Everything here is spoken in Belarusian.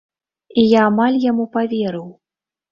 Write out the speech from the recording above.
І я амаль яму паверыў.